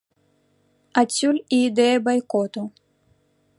Адсюль і ідэя байкоту.